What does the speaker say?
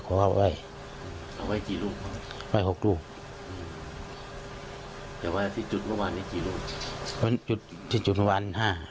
กูกูไม่รู้กูแสบหน่อยกูไม่ได้ดูด้วย